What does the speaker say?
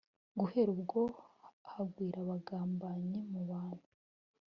Guhera ubwo hagwira abagambanyi mu bantu